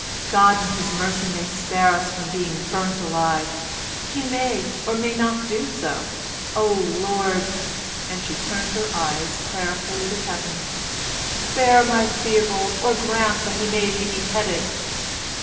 God in his mercy may spare us from being burnt alive. He may or may not do so. Oh Lord" (and she turned her eyes prayerfully to Heaven), "spare my Theobald, or grant that he may be beheaded."